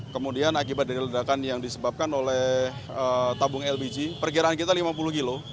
kemudian akibat dari ledakan yang disebabkan oleh tabung lpg perkiraan kita lima puluh kilo